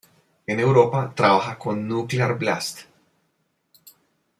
En Europa trabaja con Nuclear Blast.